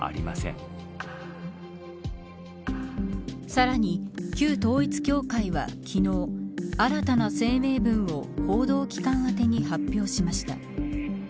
さらに旧統一教会は昨日新たな声明文を報道機関宛てに発表しました。